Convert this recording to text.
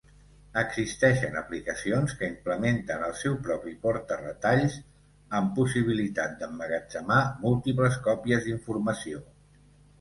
Existeixen aplicacions que implementen el seu propi porta-retalls, amb possibilitat d'emmagatzemar múltiples còpies d'informació.